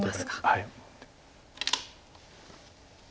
はい。